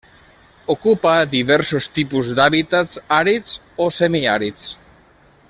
Ocupa diversos tipus d'hàbitats àrids o semiàrids.